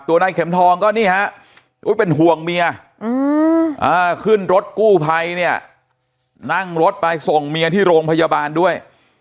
นายเข็มทองก็นี่ฮะเป็นห่วงเมียขึ้นรถกู้ภัยเนี่ยนั่งรถไปส่งเมียที่โรงพยาบาลด้วย